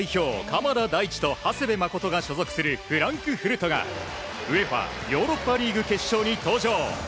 鎌田大地と長谷部誠が所属するフランクフルトがＵＥＦＡヨーロッパリーグ決勝に登場。